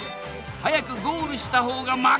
早くゴールした方が負け！